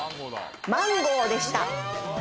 マンゴーでした。